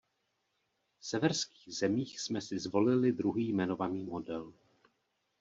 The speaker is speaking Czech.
V severských zemích jsme si zvolili druhý jmenovaný model.